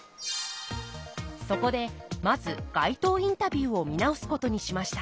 そこでまず街頭インタビューを見直すことにしました。